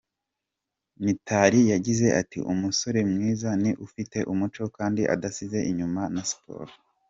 Mitali yagize ati “umusore mwiza ni ufite umuco, kandi adasize inyuma na siporo.